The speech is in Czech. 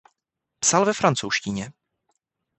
Psal ve francouzštině.